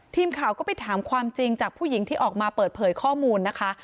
ทีมข่าวก็ไปถามความจริงจากผู้หญิงที่ออกมาเปิดเผยข้อมูลนะคะ